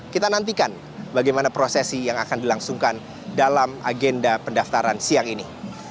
kita nantikan bagaimana prosesi yang akan dilangsungkan dalam agenda pendaftaran siang ini